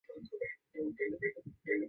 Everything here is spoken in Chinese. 密毛岩蕨为岩蕨科岩蕨属下的一个种。